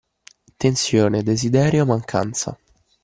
Tensione, desiderio, mancanza